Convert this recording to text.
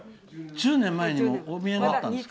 １０年前にもお見えになったんですか。